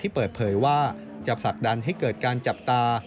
เปิดเผยว่าจะผลักดันให้เกิดการจับตา